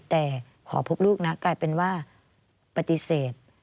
แต่ขอพบลูกนะกลายเป็นว่าปฏิเสธ